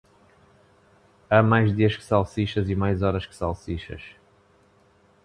Há mais dias que salsichas e mais horas que salsichas.